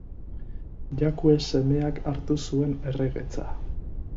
Jakue semeak hartu zuen erregetza.